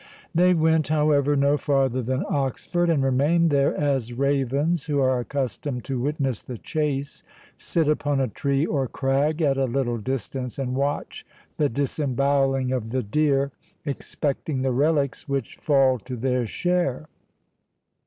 They went, however, no farther than Oxford, and remained there, as ravens, who are accustomed to witness the chase, sit upon a tree or crag, at a little distance, and watch the disembowelling of the deer, expecting the relics which fall to their share.